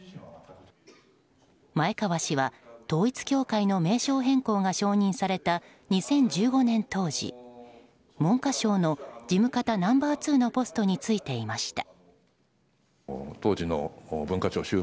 前川氏は統一教会の名称変更が承認された２０１５年当時文科省の事務方ナンバー２のポストに就いていました。